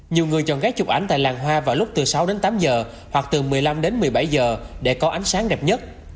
nhiều người chọn gác chụp ảnh tại làng hoa vào lúc từ sáu đến tám giờ hoặc từ một mươi năm đến một mươi bảy giờ để có ánh sáng đẹp nhất